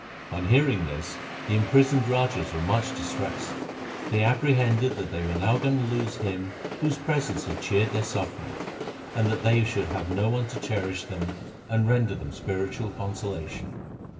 On hearing this the imprisoned rajas were much distressed. They appre hended that they were now going to lose him whose presence had cheered their sufferings, and that they should have no one to cherish them and render them spiritual consolation.